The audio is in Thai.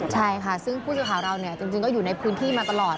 ใช่ค่ะซึ่งผู้สื่อข่าวเราจริงก็อยู่ในพื้นที่มาตลอด